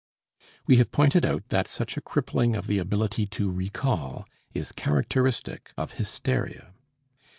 We have pointed out that such a crippling of the ability to recall is characteristic of hysteria.